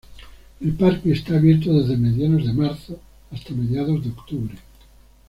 El parque está abierto desde mediados de marzo hasta mediados de octubre.